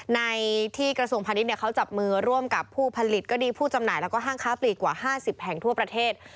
ในที่กระทรวงพาณิชย์เขาจับมือร่วมกับผู้ผลิตก็ดีผู้จำหน่ายแล้วก็ห้างค้าปลีกกว่า๕๐แห่งทั่วประเทศ